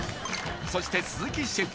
そして鈴木シェフシェフ。